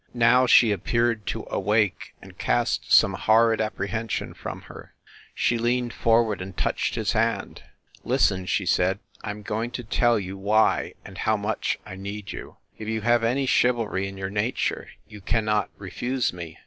Now she ap peared to awake and cast some horrid apprehension from her. She leaned forward and touched his hand. "Listen," she said, "I m going to tell you why and how much I need you. If you have any chivalry in your nature you can not refuse me."